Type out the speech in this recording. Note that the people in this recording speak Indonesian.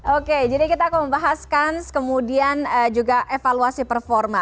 oke jadi kita akan membahas kans kemudian juga evaluasi performa